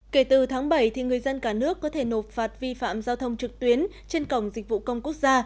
kể từ tháng bảy thì người dân cả nước có thể nộp phạt vi phạm giao thông trực tuyến trên cổng dịch vụ công quốc gia